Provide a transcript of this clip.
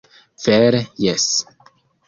Vere jes!